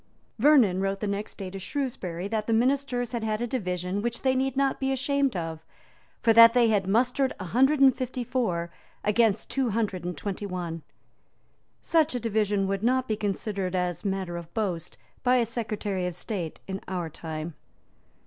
Vernon wrote the next day to Shrewsbury that the ministers had had a division which they need not be ashamed of; for that they had mustered a hundred and fifty four against two hundred and twenty one. Such a division would not be considered as matter of boast by a Secretary of State in our time.